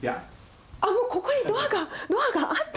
もうここにドアがドアがあった。